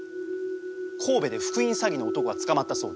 神戸で復員詐欺の男が捕まったそうだ。